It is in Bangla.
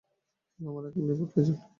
হ্যালো, আমার এখন রিবুট প্রয়োজন।